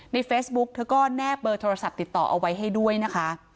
ในเฟซบุ๊กเธอก็แนบเบอร์โทรศัพท์ติดต่อเอาไว้ให้ด้วยนะคะ